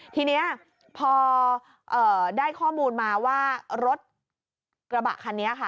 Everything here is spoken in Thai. ทีนี้พอได้ข้อมูลมาว่ารถกระบะคันนี้ค่ะ